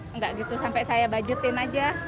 enggak gitu sampai saya budgetin aja